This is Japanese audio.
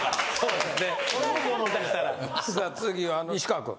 さあ次は西川くん。